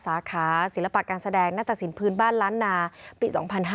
สาขาศิลปะการแสดงหน้าตะสินพื้นบ้านล้านนาปี๒๕๕๙